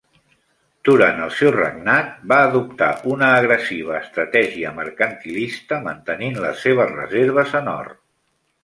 Durant el seu regnat, va adoptar una agressiva estratègia mercantilista, mantenint les seves reserves en or.